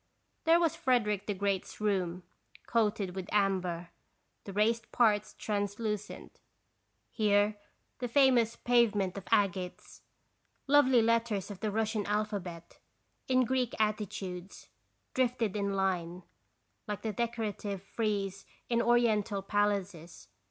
There was Frederick the Great's room, coated with amber, the raised parts translucent; here the famous pavement of agates. Lovely letters of the Russian alphabet, in Greek attitudes, drifted in line, like the decorative frieze in Oriental palaces.